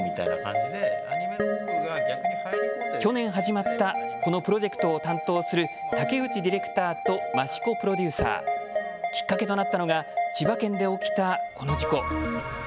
去年、始まったこのプロジェクトを担当する竹内ディレクターと増子プロデューサー。きっかけとなったのが千葉県で起きたこの事故。